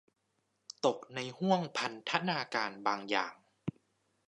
ตกในห้วงพันธนาการบางอย่าง